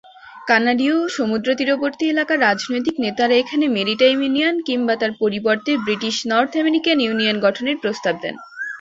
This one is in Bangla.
কানাডীয় ও সমুদ্রতীরবর্তী এলাকার রাজনৈতিক নেতারা এখানে মেরিটাইম ইউনিয়ন কিংবা তার পরিবর্তে ব্রিটিশ নর্থ আমেরিকান ইউনিয়ন গঠনের প্রস্তাব দেন।